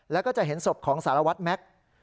แล้วก็จะเห็นศพของสารวัตรแม็กซ์